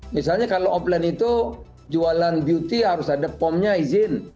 misalnya kalau offline itu jualan beauty harus ada pomnya izin